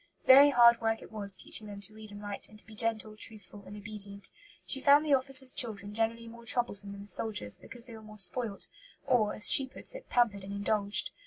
Very hard work it was teaching them to read and write and to be gentle, truthful, and obedient. She found the officers' children generally more troublesome than the soldiers', because they were more spoilt, or, as she puts it, pampered and indulged.